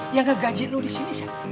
yang ngegaji lu di sini siapa